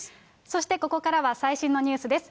そしてここからは最新のニュースです。